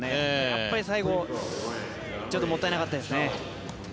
やっぱり最後、ちょっともったいなかったですね。